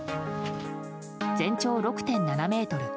全長６．７ｍ。